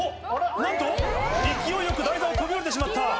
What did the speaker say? なんと勢いよく台座を飛び降りてしまった。